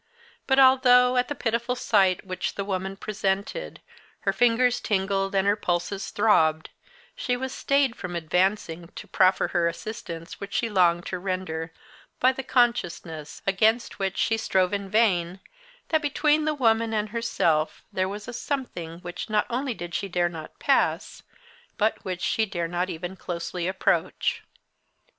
But although, at the pitiful sight which the woman presented, her fingers tingled and her pulses throbbed, she was stayed from advancing to proffer her the assistance which she longed to render by the consciousness, against which she strove in vain, that between the woman and herself there was a something which not only did she dare not pass, but which she dare not even closely approach.